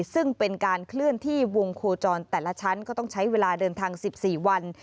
ซึ่งเป็นการเคลื่อนที่วงโคจรแต่ละชั้นก็ต้องใช้เวลาเดินทาง๑๔วัน